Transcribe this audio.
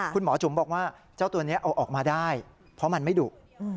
คุณหมอจุ๋มบอกว่าเจ้าตัวนี้เอาออกมาได้เพราะมันไม่ดุ